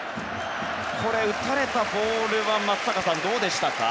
打たれたボールは松坂さん、どうでしたか。